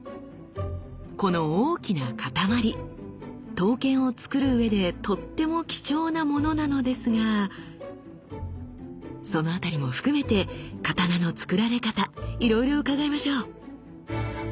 この大きな塊刀剣をつくるうえでとっても貴重なものなのですがその辺りも含めて刀のつくられ方いろいろ伺いましょう。